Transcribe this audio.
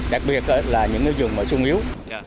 đặc biệt là những dùng sông yếu